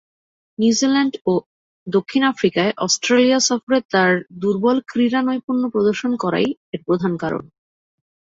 New Zealand ও দক্ষিণ আফ্রিকায় অস্ট্রেলিয়া সফরে তার দূর্বল ক্রীড়ানৈপুণ্য প্রদর্শন করাই এর প্রধান কারণ।